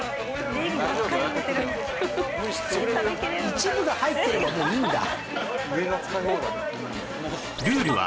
一部が入ってればもういいんだ。